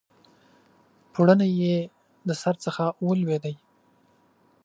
پوړنی یې د سر څخه ولوېدی